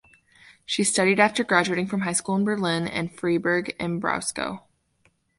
She studied after graduating from high school in Berlin and Freiburg im Breisgau.